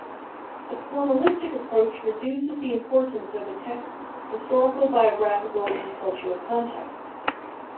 The formalistic approach reduces the importance of a text's historical, biographical, and cultural context.